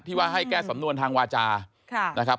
ที่ว่าให้แก้สำนวนทางวาจาร์นะครับครับ